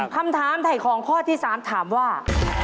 คำถามไถ่ของข้อที่๓ถามว่า